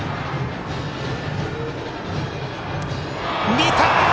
見た！